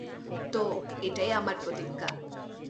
তো, এটাই আমার প্রতিজ্ঞা।